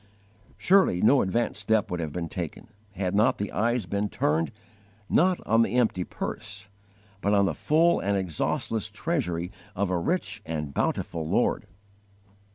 "_ Surely no advance step would have been taken, had not the eyes been turned, not on the empty purse, but on the full and exhaustless treasury of a rich and bountiful Lord!